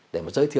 để mà giới thiệu